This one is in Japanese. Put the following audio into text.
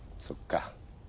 そっか。